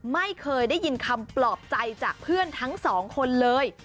ไม่เคยได้ยินคำปลอบใจจากเพื่อนทั้งสองคนเลย